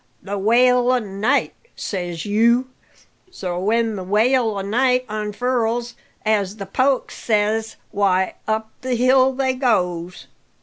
The wail o' night, says you. So, when the wail o' night unfurls, as the poic says, why, up the hill they goes."